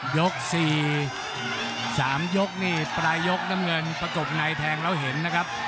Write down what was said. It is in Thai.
ยกสี่สามยกนี่ประยกน้ำเงินประกบนายแทงเราเห็นนะครับ